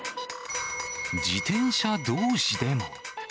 自転車どうしでも。